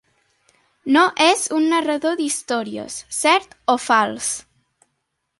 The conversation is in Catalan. No és un narrador d'històries, cert o fals.